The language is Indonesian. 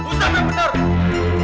pusap yang benar